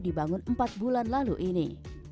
dibangun empat bulan lalu ini